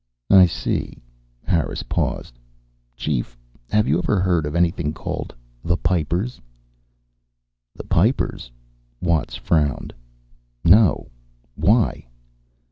"I see." Harris paused. "Chief, have you ever heard of anything called The Pipers?" "The Pipers?" Watts frowned. "No. Why?"